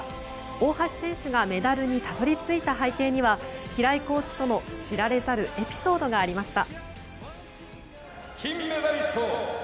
大橋選手がメダルにたどり着いた背景には平井コーチとの知られざるエピソードがありました。